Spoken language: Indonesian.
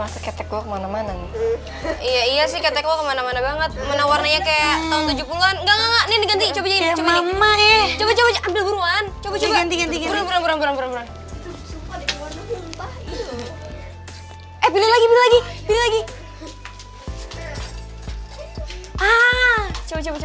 sih keteknya kemana mana banget mana warnanya kayak tahun tujuh puluh an enggak nih ganti coba coba